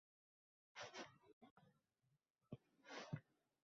pianino chalishni o‘rganishingdan.